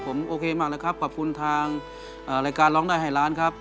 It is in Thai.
ผมโอเคมากเลยครับขอบคุณทางรายการร้องได้ให้ล้านครับ